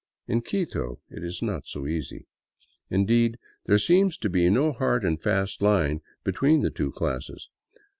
In Quito it is not so easy. Indeed, there seems to be 10 hard and fast line between the two classes.